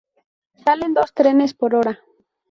Salen dos trenes por hora.